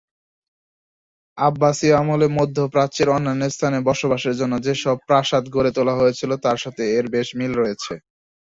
আব্বাসীয় আমলে মধ্যপ্রাচ্যের অন্যান্য স্থানে বসবাসের জন্য যেসব প্রাসাদ গড়ে তোলা হয়েছিল তার সাথে এর বেশ মিল রয়েছে।